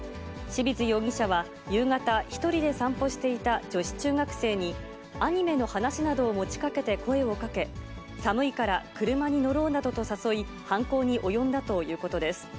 清水容疑者は夕方、１人で散歩していた女子中学生に、アニメの話などを持ちかけて声をかけ、寒いから車に乗ろうなどと誘い、犯行に及んだということです。